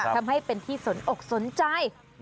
ทำให้เป็นที่สนอกสนใจ